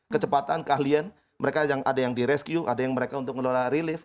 kecepatan keahlian mereka yang ada yang direscue ada yang mereka untuk mengelola relief